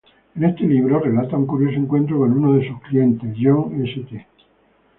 En ese libro relata un curioso encuentro con uno de sus clientes, John St.